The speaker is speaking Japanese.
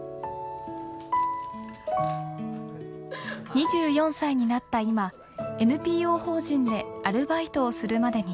２４歳になった今ＮＰＯ法人でアルバイトをするまでに。